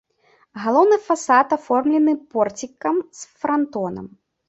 Галоўны фасад аформлены порцікам з франтонам.